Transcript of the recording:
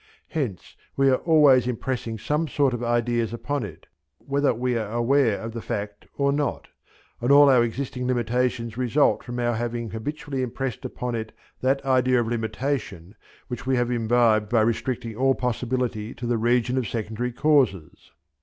Hence we are always impressing some sort of ideas upon it, whether we are aware of the fact or not, and all our existing limitations result from our having habitually impressed upon it that idea of limitation which we have imbibed by restricting all possibility to the region of secondary causes.